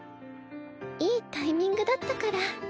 いいタイミングだったから。